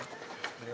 apakah saat ini bisa